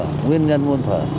nguyên nhân nguồn thở